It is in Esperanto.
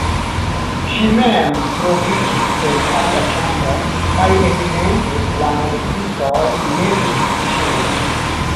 Ŝi mem troviĝis en alia ĉambro kaj evidente la murdistoj ne vidis ŝin.